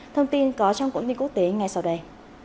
thông tin có trong quốc tế ngay sau đây